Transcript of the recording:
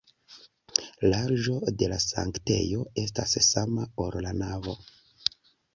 Larĝo de la sanktejo estas sama, ol la navo.